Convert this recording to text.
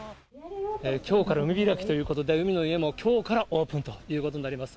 きょうから海開きということで、海の家もきょうからオープンということになります。